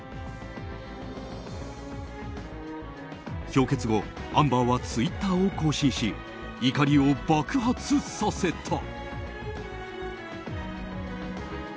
評決後、アンバーはツイッターを更新し怒りを爆発させた。